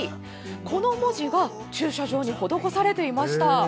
この文字が駐車場に施されていました。